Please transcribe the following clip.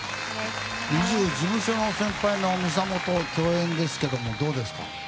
ＮｉｚｉＵ、事務所の先輩のＭＩＳＡＭＯと共演ですがどうですか？